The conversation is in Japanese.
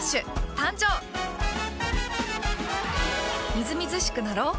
みずみずしくなろう。